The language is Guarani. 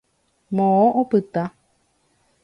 Moõ opyta.